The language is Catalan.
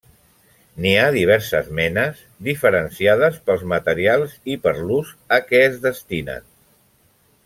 N'hi ha diverses menes, diferenciades pels materials i per l'ús a què es destinen.